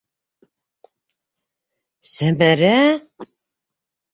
Сәмәрә?!